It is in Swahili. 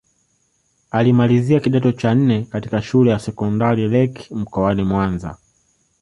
Alimalizia kidato cha nne katika Shule ya Sekondari Lake mkoani Mwanza